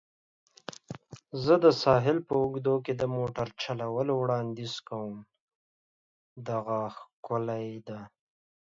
زه د ساحل په اوږدو کې د موټر چلولو وړاندیز کوم. دغه ښکلې ده.